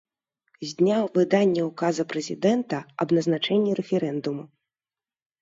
З дня выдання ўказа Прэзідэнта аб назначэнні рэферэндуму.